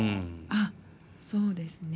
あっそうですね。